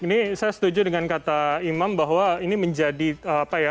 ini saya setuju dengan kata imam bahwa ini menjadi apa ya